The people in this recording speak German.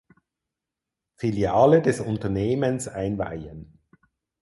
Filiale des Unternehmens einweihen.